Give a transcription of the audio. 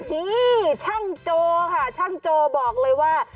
นี่ช่างโจค่ะช่างโจบอกเลยว่า